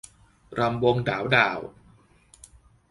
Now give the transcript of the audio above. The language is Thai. รำวงด๋าวด่าว